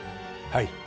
はい。